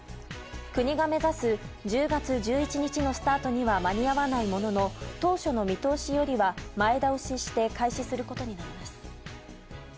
国が目指す１０月１１日のスタートには間に合わないものの当初の見通しよりは前倒しして開始することになります。